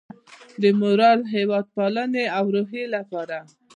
د مورال، هیواد پالنې او روحیې لپاره